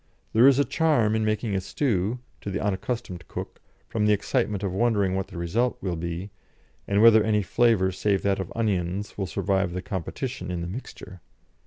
There is a charm in making a stew, to the unaccustomed cook, from the excitement of wondering what the result will be, and whether any flavour save that of onions will survive the competition in the mixture.